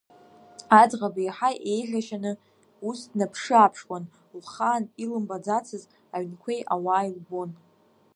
Аӡӷаб еиҳа еиӷьашьаны ус днаԥшы-ааԥшуан, лхаан илымбаӡацыз аҩнқәеи ауааи лбон.